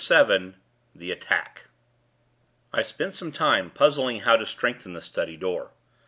VII THE ATTACK I spent some time, puzzling how to strengthen the study door.